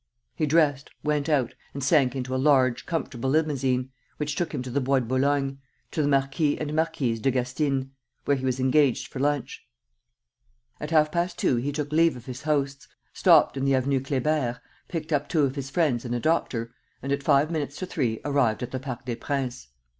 He dressed, went out, and sank into a large, comfortable limousine, which took him to the Bois de Boulogne, to the Marquis and Marquise de Gastyne's, where he was engaged for lunch. At half past two he took leave of his hosts, stopped in the Avenue Kléber, picked up two of his friends and a doctor, and at five minutes to three arrived at the Parc des Princes.